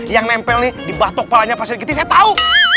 yang nempel di batok palanya pak sri kiti saya tahu